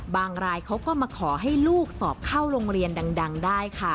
รายเขาก็มาขอให้ลูกสอบเข้าโรงเรียนดังได้ค่ะ